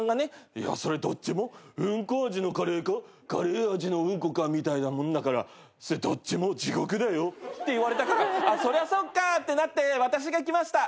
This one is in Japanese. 「いやそれどっちもうんこ味のカレーかカレー味のうんこかみたいなもんだからどっちも地獄だよ」って言われたからそりゃそっかってなって私が来ました。